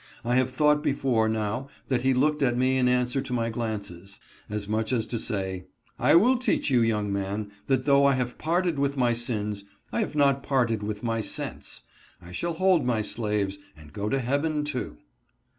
I have thought before now that he looked at me in answer to my glances, as much as to say, " I will teach you, young man, that though I have parted with my sins, I have not parted with my sense. I shall hold my slaves, and go to heaven too."